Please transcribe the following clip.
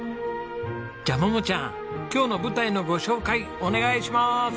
じゃあ桃ちゃん今日の舞台のご紹介お願いします！